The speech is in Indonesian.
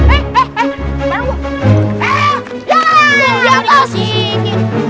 biarin aja pak